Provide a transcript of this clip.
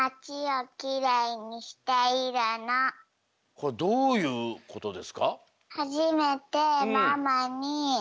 これどういうことですか？